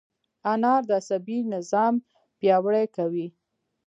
انار د عصبي نظام پیاوړی کوي.